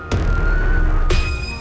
untuk bantu ilesa